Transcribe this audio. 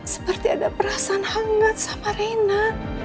seperti ada perasaan hangat sama reina